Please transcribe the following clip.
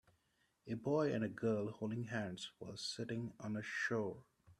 A boy and a girl holding hands while sitting on a shore.